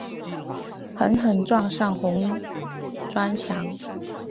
狠狠撞上红砖墙